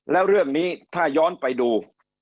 แล้วเรื่องนี้ถ้าย้อนไปดู